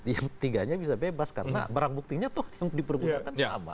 yang tiganya bisa bebas karena barang buktinya toh yang dipergunakan sama